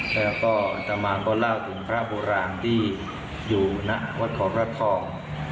แล้วก็อัตมานก็เล่าถึงพระโบราณที่อยู่ณวัดของพระทอง